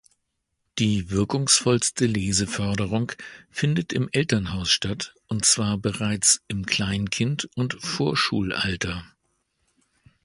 Die wirkungsvollste Leseförderung findet im Elternhaus statt, und zwar bereits im Kleinkind- und Vorschulalter.